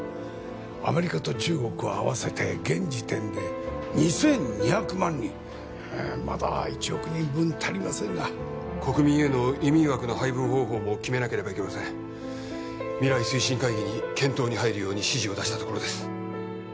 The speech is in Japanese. アメリカと中国を合わせて現時点で二千二百万人まだ一億人分足りませんが国民への移民枠の配分方法も決めなければいけません未来推進会議に検討に入るように指示を出したところです